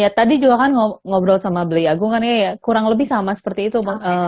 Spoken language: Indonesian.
ya tadi juga kan ngobrol sama beliagung kan ya kurang lebih sama seperti itu